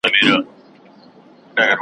ـ زما لپاره به تل يو ماشوم يې زويه!